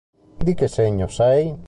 Di che segno sei?